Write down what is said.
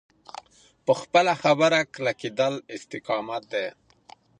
په خپله خبره کلکېدل استقامت دی.